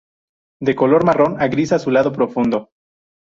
De color marrón o gris azulado profundo.